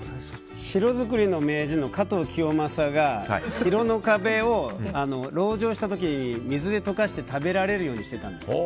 城作りの名人の加藤清正が城の壁を籠城した時に水で溶かして食べられるようにしていたんです。